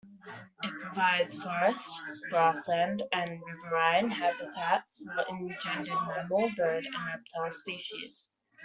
It provides forest, grassland and riverine habitat for engendered mammal, bird and reptile species.